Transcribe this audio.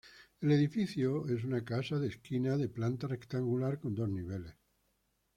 El edificio es una casa de esquina de planta rectangular, con dos niveles.